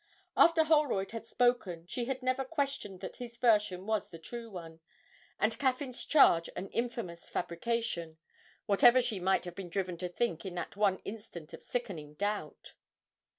After Holroyd had spoken, she had never questioned that his version was the true one, and Caffyn's charge an infamous fabrication whatever she might have been driven to think in that one instant of sickening doubt.